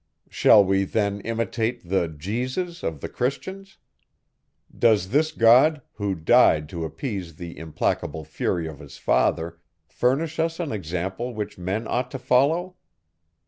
Shall we then imitate the Jesus of the Christians? Does this God, who died to appease the implacable fury of his father, furnish us an example which men ought to follow?